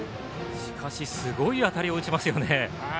しかし、すごい当たりを打ちますよね。